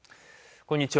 こんにちは。